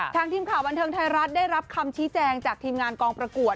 ทีมข่าวบันเทิงไทยรัฐได้รับคำชี้แจงจากทีมงานกองประกวด